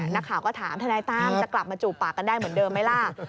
นักข่าวก็ถามทนายตั้มจะกลับมาจูบปากกันได้เหมือนเดิมไหมล่ะ